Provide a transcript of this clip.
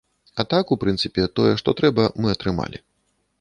А так, у прынцыпе, тое, што трэба, мы атрымалі.